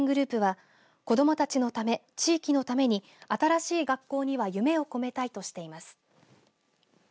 住民グループは子どもたちのため地域のために、新しい学校には夢を込めたいとしています。